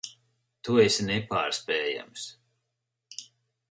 Tu esi nepārspējams.